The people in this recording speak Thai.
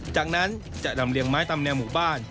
จากนั้นจะลำเลียงไม้ตามแนวหมู่บ้าน